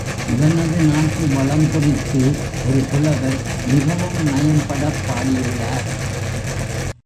இவனது நாட்டு வளம் குறித்து ஒரு புலவர் மிகவும் நயம்படப் பாடியுள்ளார்.